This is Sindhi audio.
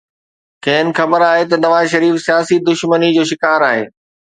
کين خبر آهي ته نواز شريف سياسي دشمني جو شڪار آهي.